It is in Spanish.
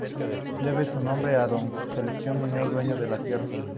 Debe su nombre a Don Celestino Muñoz, dueño de las tierras.